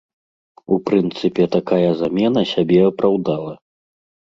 У прынцыпе, такая замена сябе апраўдала.